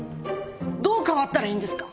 どう変わったらいいんですか？